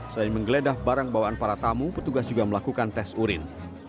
selain menggeledah barang bawaan para tamu petugas juga melakukan tes urin